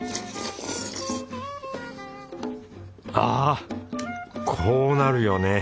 ああこうなるよね